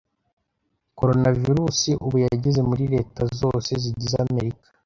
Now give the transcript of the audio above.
Coronavirus ubu yageze muri leta zose zigize Amerika